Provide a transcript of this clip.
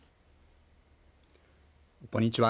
こんにちは。